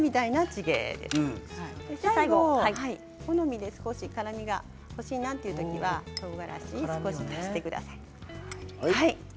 最後、好みで辛みが欲しいなという時はとうがらしを少し足してください。